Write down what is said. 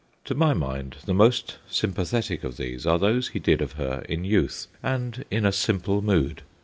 To my mind the most sympathetic of these are those he did of her in youth, and in a simple mood.